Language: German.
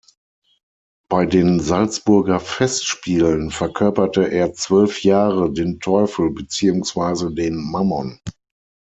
Bei den Salzburger Festspielen verkörperte er zwölf Jahre den Teufel beziehungsweise den Mammon.